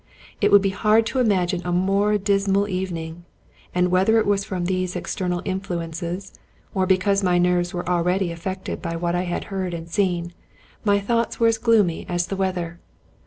It would be hard to imagine a more dismal evening; and whether it was from these external influences, or because my nerves were already affected by what I had heard and seen, my thoughts were as gloomy as the weather.